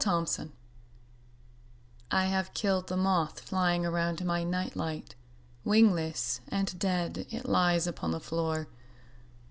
Moth Terror I HAVE killed the moth flying around my night light; wingless and dead it lies upon the floor.